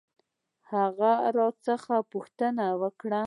هغه راڅخه پوښتنه وکړ.